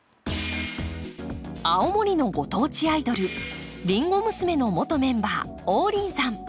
青森のご当地アイドルりんご娘の元メンバー王林さん。